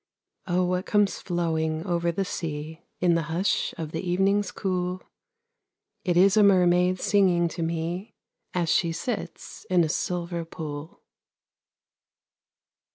Oh, what comes flowing over the sea In the hush of the evening's cool? It is a mermaid singing to me As she sits in a silver pool.